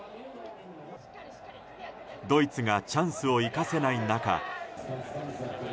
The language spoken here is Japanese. ドイツがチャンスを生かせない中。